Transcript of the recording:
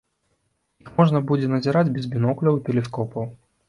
Іх можна будзе назіраць без бінокляў і тэлескопаў.